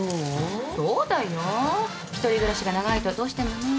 一人暮らしが長いとどうしてもね。